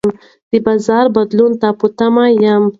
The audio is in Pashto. د بازار بدلون ته په تمه یم.